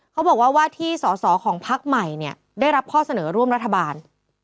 เขาบอกว่าว่าที่สอสอของพักใหม่เนี่ยได้รับข้อเสนอร่วมรัฐบาล